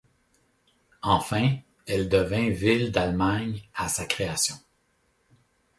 Enfin, elle devint ville d'Allemagne à sa création.